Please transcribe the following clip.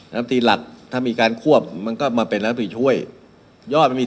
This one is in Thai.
น้ำตีหลักถ้ามีการควบมันก็มาเป็นรัฐมนตรีช่วยยอดมันมี